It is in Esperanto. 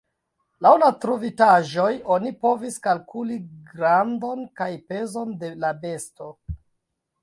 Laŭ la trovitaĵoj oni povis kalkuli grandon kaj pezon de la besto.